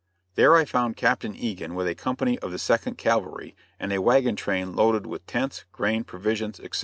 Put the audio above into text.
There I found Captain Egan with a company of the Second Cavalry and a wagon train loaded with tents, grain, provisions, etc.